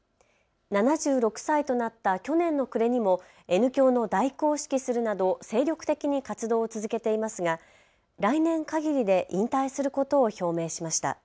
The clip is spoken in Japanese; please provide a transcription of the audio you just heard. ７６歳となった去年の暮れにもＮ響の第九を指揮するなど精力的に活動を続けていますが来年かぎりで引退することを表明しました。